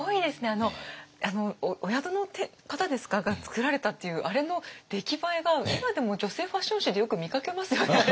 あのお宿の方が作られたっていうあれの出来栄えが今でも女性ファッション誌でよく見かけますよねあれ。